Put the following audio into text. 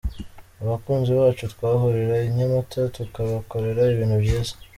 Abakunzi bacu twahurira I Nyamata tukabakorera ibintu byiza.